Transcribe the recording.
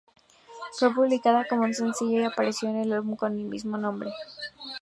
Fue publicada como un sencillo y apareció en el álbum con el mismísimo nombre.